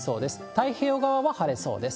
太平洋側は晴れそうです。